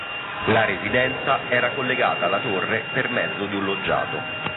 La residenza era collegata alla torre per mezzo di un loggiato.